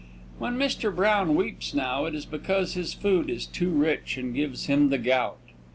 When Mr. Brown weeps now it is because his food is too rich and gives him the gout.